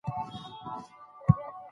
که ته راشې، نو زه به ډېر خوښ شم.